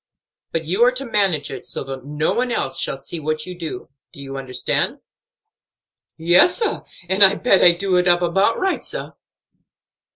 But you are to manage it so that no one else shall see what you do. Do you understand?" "Yes, sah, and I bet I do it up about right, sah."